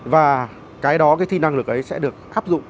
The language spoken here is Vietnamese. và cái đó cái thi năng lực ấy sẽ được áp dụng